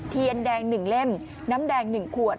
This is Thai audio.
เทียนแดง๑เล่มน้ำแดง๑ขวด